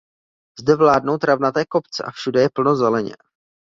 Zde vládnou travnaté kopce a všude je plno zeleně.